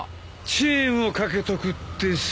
チェーンを掛けとくってさ。